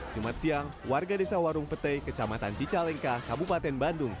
jumat siang warga desa warung petai kecamatan cicalengka kabupaten bandung